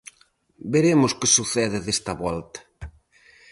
Veremos que sucede desta volta.